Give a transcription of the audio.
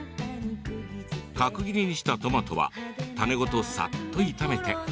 角切りにしたトマトは種ごとさっと炒めて。